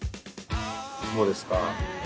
どうですか？